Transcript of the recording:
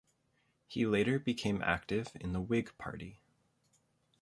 He later became active in the Whig Party.